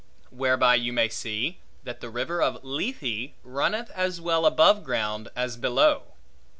Whereby you may see, that the river of Lethe runneth as well above ground as below.